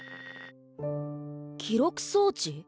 記録装置？